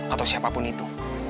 atau siapapun itu